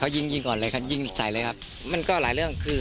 ยิงยิงก่อนเลยครับยิงใส่เลยครับมันก็หลายเรื่องคือ